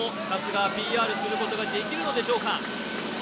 春日はＰＲすることができるのでしょうか。